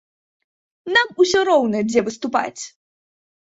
Нам усё роўна, дзе выступаць!